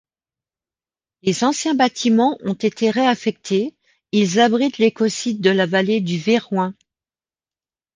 Les anciens bâtiments ont été réaffectés, ils abritent l'Écosite de la vallée du Viroin.